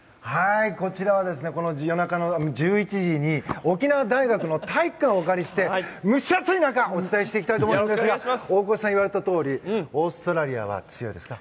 こちらは夜中の１１時に沖縄大学の体育館をお借りして蒸し暑い中お伝えしていきたいと思うんですが大越さんに言われたとおりオーストラリアは強いですか。